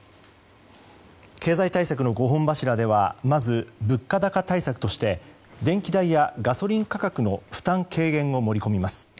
経済対策の５本柱ではまず物価高対策として電気代やガソリン価格の負担軽減を盛り込みます。